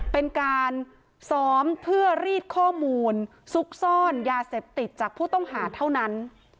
เป็นการซ้อมเพื่อรีดข้อมูลซุกซ่อนยาเสพติดจากผู้ต้องหาเท่านั้น